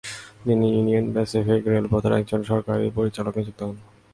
তিনি Union Pacific রেলপথের একজন সরকারি পরিচালক নিযুক্ত হন।